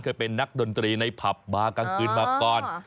เคยเป็นนักดนตรีในผับมากลางคืนมาก่อน